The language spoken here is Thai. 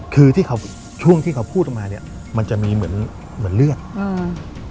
คือที่เขาช่วงที่เขาพูดออกมาเนี้ยมันจะมีเหมือนเหมือนเลือดอืม